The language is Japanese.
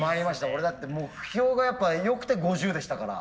俺だって目標がやっぱよくて５０でしたから。